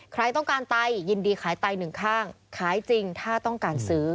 ใครต้องการไตยินดีขายไตหนึ่งข้างขายจริงถ้าต้องการซื้อ